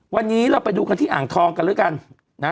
วันนี้เราไปดูกันที่อ่างทองกันแล้วกันนะ